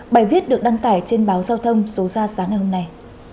bài viết được đăng tải trên báo giao thông số ra sáng ngày hôm nay